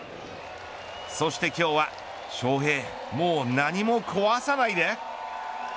そして、今日は翔平、もう何も壊さないで。